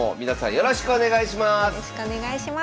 よろしくお願いします。